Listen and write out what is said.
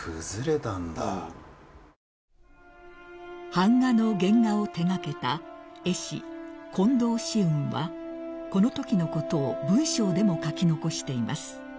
［版画の原画を手掛けた絵師近藤紫雲はこのときのことを文章でも書き残しています］